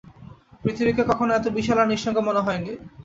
পৃথিবীকে কখনো এত বিশাল আর নিঃসঙ্গ মনে হয়নি।